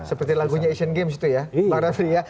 seperti lagunya asian games itu ya bang raffi ya